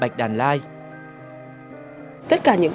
tất cả những loài cây thầy đưa về đều là tiên phong